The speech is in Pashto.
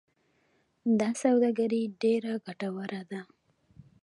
دا سوداګري ډیره ګټوره ده.